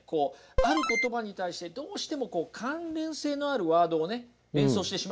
ある言葉に対してどうしても関連性のあるワードをね連想してしまうんですよ。